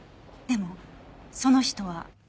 でもその人は。